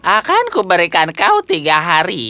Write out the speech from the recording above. akanku berikan kau tiga hari